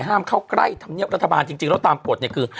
ห้ามเข้าใกล้ธรรมเนียบรัฐบาลจริงแล้วตามกฎเนี่ยคือ